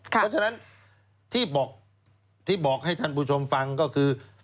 เพราะฉะนั้นที่บอกให้ท่านผู้ชมฟังก็คือ